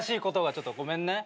ちょっとごめんね。